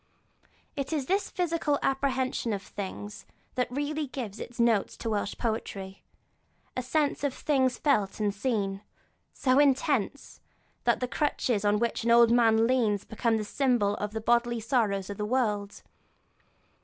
It is this sharp physical apprehension of things that really gives its note to Welsh poetry; a sense of things felt and seen, so intense, that the crutch on which an old man leans becomes the symbol of all the bodily sorrow of the world.